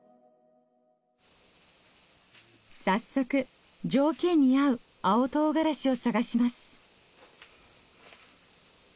早速条件に合う青とうがらしを探します。